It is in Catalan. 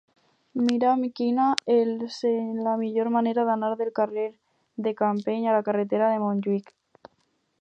Mira'm quina és la millor manera d'anar del carrer de Campeny a la carretera de Montjuïc.